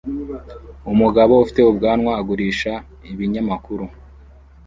Umugabo ufite ubwanwa agurisha ibinyamakuru